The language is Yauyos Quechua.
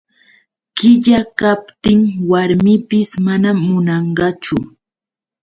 Qilla kaptin warmipis manam munanqachu.